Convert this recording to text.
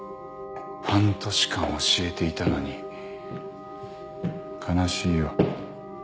半年間教えていたのに悲しいよ。